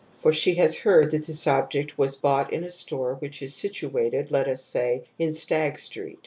For she has heard that this object was bought in a store which is situ ated, let us say, in Stag Street.